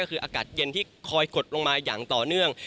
ก็คืออากาศเย็นที่คอยกดลงมาอย่างต่อเนื่อง